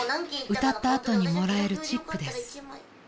［歌った後にもらえるチップです］